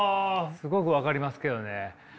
すごく分かりますけどね。